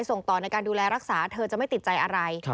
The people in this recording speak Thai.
ส่งต่อในการดูแลรักษาเธอจะไม่ติดใจอะไร